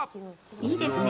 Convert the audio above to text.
いいですね！